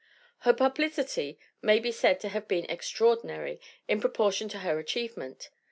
. Her publicity may be said to have been extraordinary in proportion to her achieve ment.